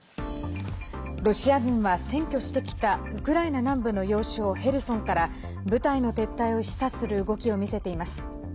ロシア軍は、占拠してきたウクライナ南部の要衝ヘルソンから部隊の撤退を示唆する動きを見せています。